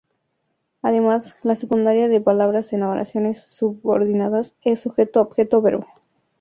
Además, la secuencia de palabras en oraciones subordinadas es Sujeto Objeto Verbo.